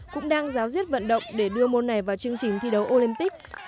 cũng đang giáo diết vận động để đưa môn này vào chương trình thi đấu olympic